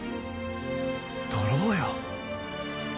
撮ろうよ。